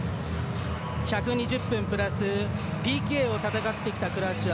１２０分プラスＰＫを戦ってきたクロアチア。